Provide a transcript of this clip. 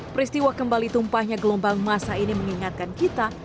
peristiwa kembali tumpahnya gelombang masa ini mengingatkan kita